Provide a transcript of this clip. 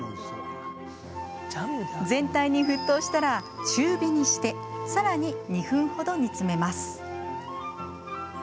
全体に沸騰したら中火にしてさらに２分ほど煮詰めます。